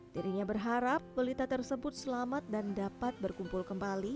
dirinya berharap balita tersebut selamat dan dapat berkumpul kembali